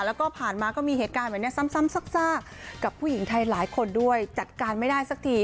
แล้วก็ผ่านมาก็มีเหตุการณ์แบบนี้ซ้ำซากกับผู้หญิงไทยหลายคนด้วยจัดการไม่ได้สักที